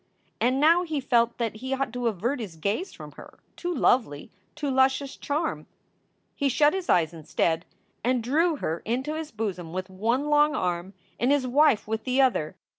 And now he felt that he ought to avert his gaze from her too lovely, too luscious charm. He shut his eyes, instead, and drew her into his bosom with one long arm, and his wife with the other.